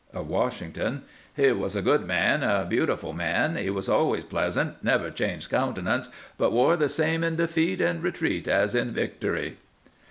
Of Washington : He was a good man, a beautiful man. He was always pleasant ; never changed countenance, but wore the same in defeat and retreat as in victory.